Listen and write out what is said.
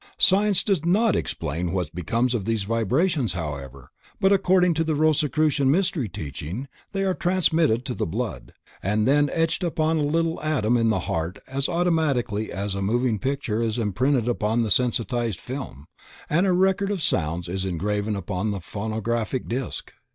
Science does not explain what becomes of these vibrations however, but according to the Rosicrucian Mystery teaching they are transmitted to the blood, and then etched upon a little atom in the heart as automatically as a moving picture is imprinted upon the sensitized film, and a record of sounds is engraven upon the phonographic disc.